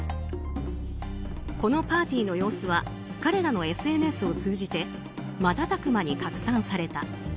このパーティーの様子は彼らのＳＮＳを通じて瞬く間に拡散された。